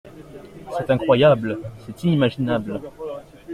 C’est incroyable, c’est inimaginable !